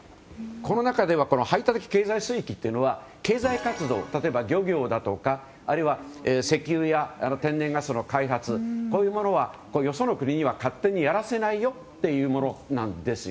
この中では排他的経済水域というのは経済活動、例えば漁業だとかあるいは石油や天然ガスなどの開発はよその国には勝手にやらせないよというものなんです。